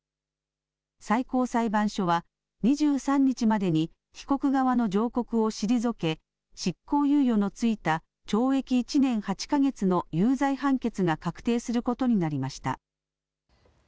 最高裁判所は２３日までに被告側の上告を退け執行猶予の付いた懲役１年８か月の有罪判決が確定することになりました。